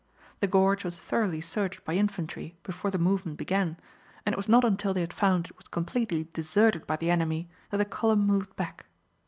The gorge was thoroughly searched by infantry before the movement began, and it was not until they had found it was completely deserted by the enemy that the column moved back.